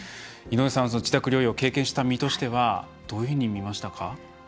井上さん、自宅療養を経験した身としてはどういうふうに見えましたか？